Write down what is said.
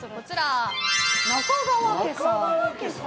中川家さん。